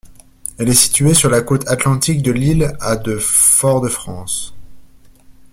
Elle est située sur la côte atlantique de l'île à de Fort-de-France.